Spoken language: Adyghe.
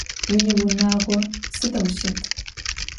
Уиунагъо сыдэу щыт?